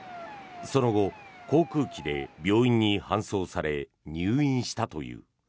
その後、航空機で病院に搬送され入院したという。